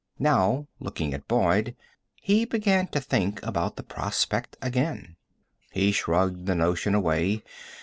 Now, looking at Boyd, he began to think about the prospect again. He shrugged the notion away.